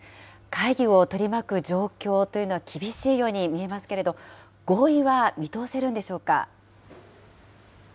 会議を取り巻く状況というのは、厳しいように見えますけれど、合意は見通せるんでしょうか。